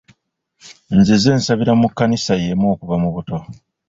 Nzize nsabira mu kkanisa y'emu okuva mu buto.